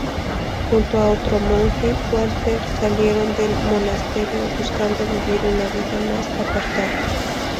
Junto a otro monje, Walter, salieron del monasterio, buscando vivir una vida más apartada.